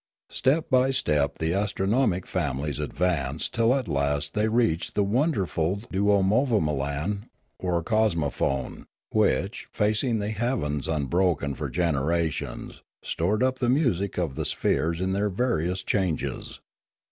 Step by step the astronomic families advanced till at last they reached the wonderful duomovamolan, or cosmophone, which, facing the heavens unbrokenly for generations, stored up the music of the spheres in their various changes.